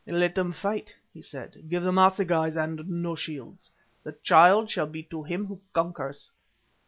"Let them fight," he said. "Give them assegais and no shields; the child shall be to him who conquers."